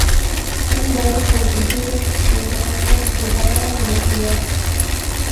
Un valle con cultivos en terrazas lo separaba de la ciudad.